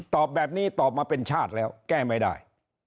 ตอบแบบนี้ตอบมาเป็นชาติแล้วแก้ไม่ได้